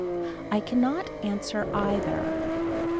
I cannot answer either.